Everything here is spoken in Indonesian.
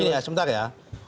gini ya sebentar ya